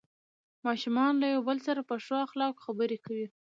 ماشومان له یو بل سره په ښو اخلاقو خبرې کوي